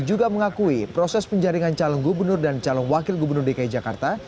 juga mengakui proses penjaringan calon gubernur dan calon wakil gubernur dki jakarta